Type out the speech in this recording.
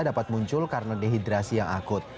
dapat muncul karena dehidrasi yang akut